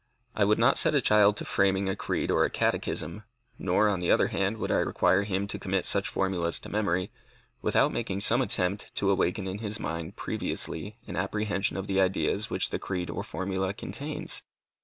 I would not set a child to framing a creed or a catechism, nor, on the other hand, would I require him to commit such formulas to memory, without making some attempt to awaken in his mind previously an apprehension of the ideas which the creed or formula contains.